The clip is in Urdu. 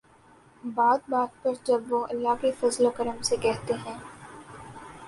بات بات پر جب وہ'اللہ کے فضل و کرم سے‘ کہتے ہیں۔